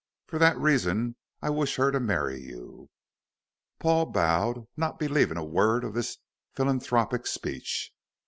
For that reason I wish her to marry you." Paul bowed, not believing a word of this philanthropic speech.